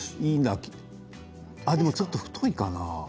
でも、ちょっと太いかな。